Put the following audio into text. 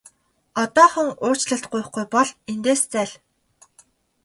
Одоохон уучлалт гуйхгүй бол эндээс зайл!